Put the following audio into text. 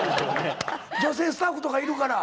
女性スタッフとかいるから。